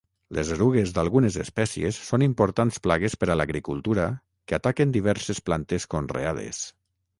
Les erugues d'algunes espècies són importants plagues per a l'agricultura que ataquen diverses plantes conreades.